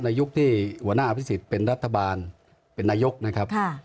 ยุคที่หัวหน้าอภิษฎเป็นรัฐบาลเป็นนายกนะครับ